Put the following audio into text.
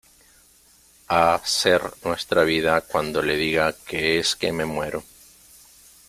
a ser nuestra vida cuando le diga que es que me muero,